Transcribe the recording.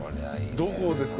どこですか？